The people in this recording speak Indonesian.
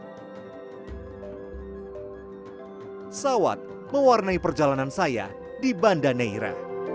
tari sawat mewarnai perjalanan saya di bandaneira